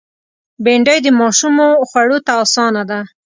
بېنډۍ د ماشومو خوړ ته آسانه ده